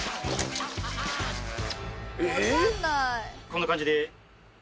こんな感じで。